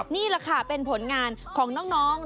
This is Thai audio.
นี่แหละค่ะเป็นผลงานของน้อง